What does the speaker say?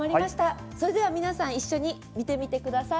皆さん一緒に見てみてください。